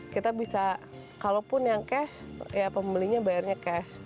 kita bisa kalaupun yang cash ya pembelinya bayarnya cash